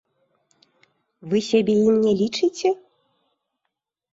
Вы сябе ім не лічыце?